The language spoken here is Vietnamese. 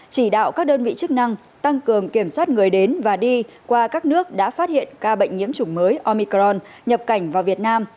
chỉ đạo các đơn vị chức năng tăng cường kiểm soát người đến và đi qua các nước đã phát hiện ca bệnh nhiễm chủng mới omicron nhập cảnh vào việt nam